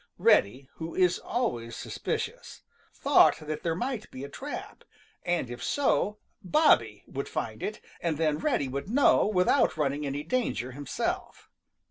Reddy, who is always suspicious, thought that there might be a trap, and if so, Bobby would find it, and then Reddy would know without running any danger himself.